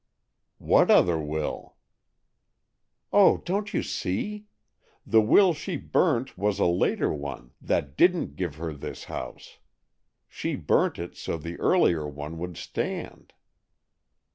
"What other will?" "Oh, don't you see? The will she burnt was a later one, that didn't give her this house. She burnt it so the earlier one would stand."